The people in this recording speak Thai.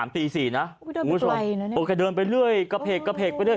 ๓ตี๔นะโอเคเดินไปเรื่อยกระเพกกระเพก